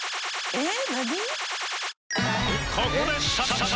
えっ？